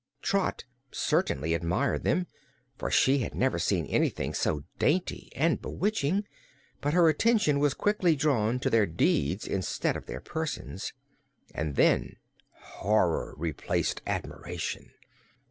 Trot certainly admired them, for she had never seen anything so dainty and bewitching, but her attention was quickly drawn to their deeds instead of their persons, and then horror replaced admiration.